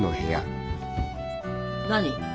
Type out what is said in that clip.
何？